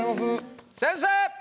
先生！